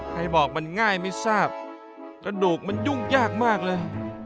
ใครบอกมันง่ายไม่ทราบกระดูกมันยุ่งยากมากเลย